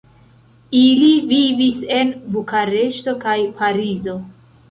Ili vivis en Bukareŝto kaj Parizo.